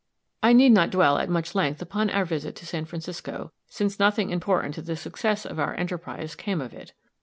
I need not dwell at much length upon our visit to San Francisco, since nothing important to the success of our enterprise came of it.